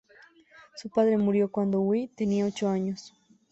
Su padre murió cuando Wee tenía ocho años.